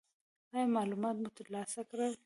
ایا معلومات مو ترلاسه کړل؟